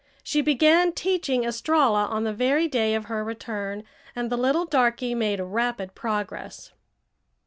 She began teaching Estralla on the very day of her return, and the little darky made rapid progress.